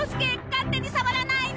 勝手に触らないの！